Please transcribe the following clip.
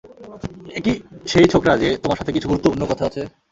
এই কি সেই ছোকড়া যে তোমার সাথে কিছু গুরুত্বপূর্ণ কথা আছে।